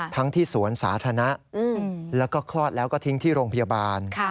ทั้งที่สวนสาธารณะแล้วก็คลอดแล้วก็ทิ้งที่โรงพยาบาล